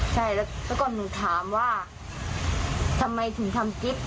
ใช่แล้วก็หนูถามว่าทำไมถึงทำกิ๊บ